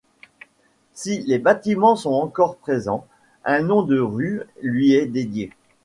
Si les bâtiments sont encore présents, un nom de rue lui est dédiée.